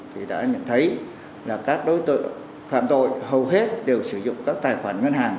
thì đã nhận thấy là các đối tượng phạm tội hầu hết đều sử dụng các tài khoản ngân hàng